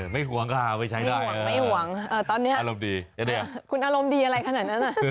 ไม่ห่วงค่ะไม่ใช้ได้ไม่ห่วงตอนนี้คุณอารมณ์ดีอะไรขนาดนั้น